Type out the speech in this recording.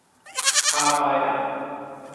ไทม์ไลน์หนัง